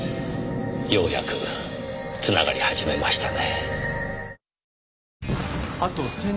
ようやくつながり始めましたね。